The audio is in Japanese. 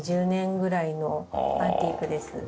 １９２０年ぐらいのアンティークです。